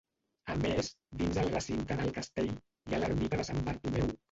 A més, dins el recinte del castell, hi ha l'ermita de Sant Bartomeu.